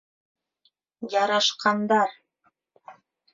Ярашҡандар!..